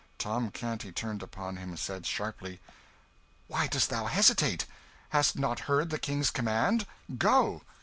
Tom Canty turned upon him and said, sharply "Why dost thou hesitate? Hast not heard the King's command? Go!"